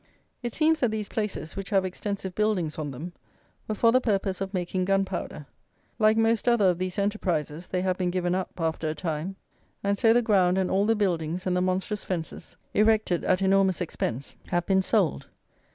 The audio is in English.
It seems that these places, which have extensive buildings on them, were for the purpose of making gunpowder. Like most other of these enterprises, they have been given up, after a time, and so the ground and all the buildings, and the monstrous fences, erected at enormous expense, have been sold.